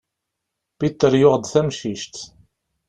Peter yuɣ-d tamcict.